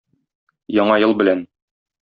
Яңа ел белән!